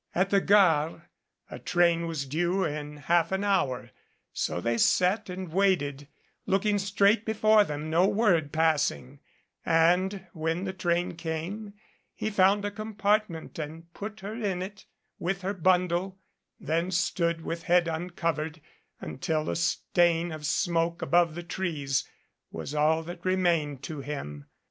At the gare a train was due in half an hour, 250 GREAT PAN IS VEAD and so they sat and waited, looking straight before them, no word passing, and when the train came he found a com partment and put her in it, with her bundle, then stood with head uncovered, until a stain of smoke above the trees was all that remained to him.